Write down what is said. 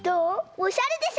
おしゃれでしょ？